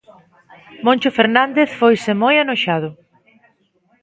Moncho Fernández foise moi anoxado.